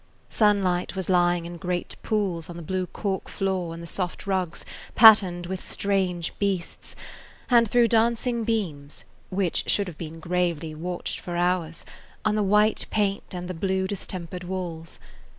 Sunlight was lying in great pools on the blue cork floor and the soft rugs, patterned with strange beasts, and threw dancing beams, which should have been gravely watched for hours, on the white paint and the blue distempered walls.